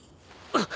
あっ。